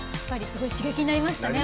すごい刺激になりましたね